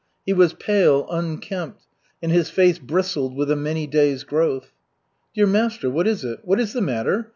He was pale, unkempt, and his face bristled with a many days' growth. "Dear master, what is it? What is the matter?"